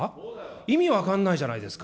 意味分かんないじゃないですか。